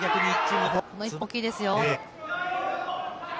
この１本大きいですよ。